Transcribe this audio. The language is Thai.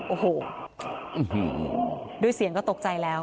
โอ้โหด้วยเสียงก็ตกใจแล้ว